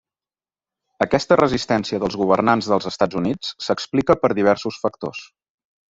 Aquesta resistència dels governants dels Estats Units s'explica per diversos factors.